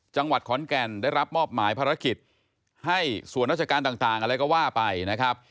จังหวัดขอนแก่นได้รับมอบหมายภารกิจให้ส่วนราชการต่างอะไรก็ว่าไปนะครับ